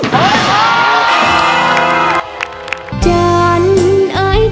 แม่มารับเร็วลูก